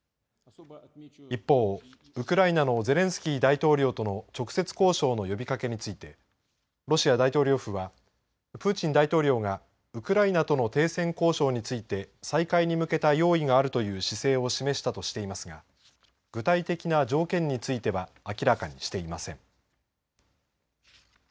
一方、ウクライナのゼレンスキー大統領との直接交渉の呼びかけについてロシア大統領府はプーチン大統領がウクライナとの停戦交渉について再開に向けた用意があるという姿勢を示したとしていますが具体的な条件については明らかにしていません。